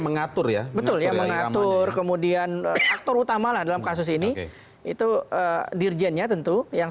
mengatur ya betul yang mengatur kemudian aktor utamalah dalam kasus ini itu dirjennya tentu yang